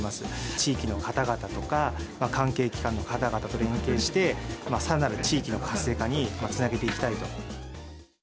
地域の方々とか、関係機関の方々と連携して、さらなる地域の活性化につなげていきたいと。